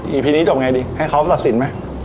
อีพีนี้จบไงดิให้เขาศักดิ์สินไหม